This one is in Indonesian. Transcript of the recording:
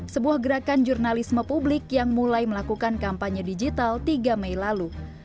sebuah gerakan jurnalisme publik yang mulai melakukan kampanye digital tiga mei lalu